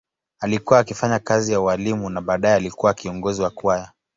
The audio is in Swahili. Alikuwa akifanya kazi ya ualimu na baadaye alikuwa kiongozi wa kwaya.